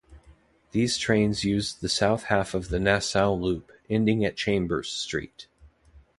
These trains used the south half of the Nassau Loop, ending at Chambers Street.